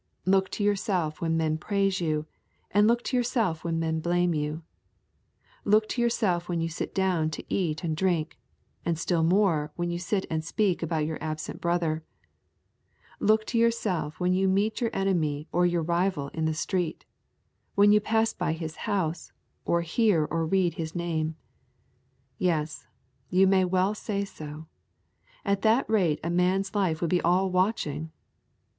Look to yourself when men praise you, and look to yourself when men blame you. Look to yourself when you sit down to eat and drink, and still more when you sit and speak about your absent brother. Look to yourself when you meet your enemy or your rival in the street, when you pass his house, or hear or read his name. Yes, you may well say so. At that rate a man's life would be all watching.